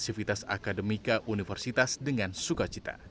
aktivitas akademika universitas dengan sukacita